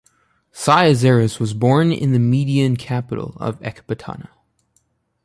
Cyaxares was born in the Median capital of Ecbatana.